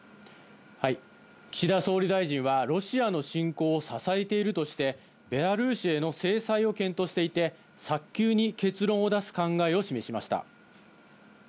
岸田総理大臣は、ロシアの侵攻を支えているとして、ベラルーシへの制裁を検討していて、早急に結論を出す考えを示しました。